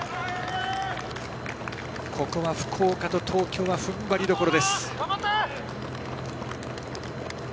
ここは福岡と東京は踏ん張りどころです。